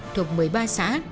thuộc một mươi ba xã